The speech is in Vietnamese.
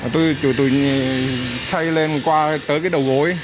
tôi xây lên qua tới cái đầu gối